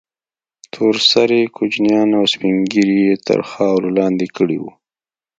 تور سرې كوچنيان او سپين ږيري يې تر خاورو لاندې كړي وو.